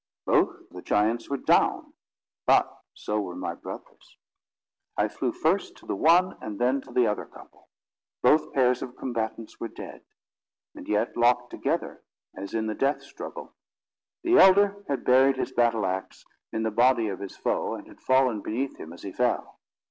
Both the giants were down, but so were my brothers. I flew first to the one and then to the other couple. Both pairs of combatants were dead, and yet locked together, as in the death struggle. The elder had buried his battle axe in the body of his foe, and had fallen beneath him as he fell.